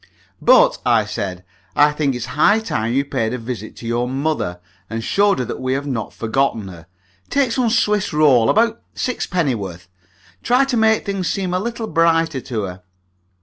"But," I said, "I think it's high time you paid a visit to your mother, and showed her that we have not forgotten her. Take some Swiss roll about sixpennyworth. Try to make things seem a little brighter to her.